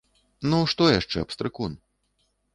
Ну, што яшчэ, пстрыкун?